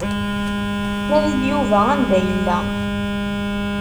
Nadi-d Yuba anda yella.